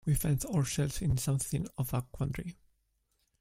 We find ourselves in something of a quandary.